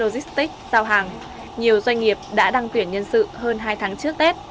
tiền tích giao hàng nhiều doanh nghiệp đã đăng tuyển nhân sự hơn hai tháng trước tết